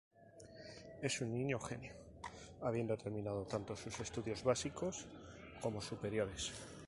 Es un niño genio, habiendo terminado tanto sus estudios básicos como superiores.